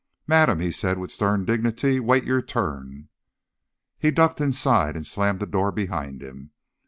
"Madam," he said with stern dignity, "wait your turn!" He ducked inside and slammed the door behind him.